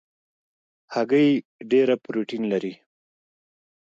هګۍ ډېره پروټین لري.